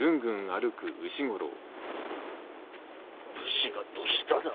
武士がどしただ。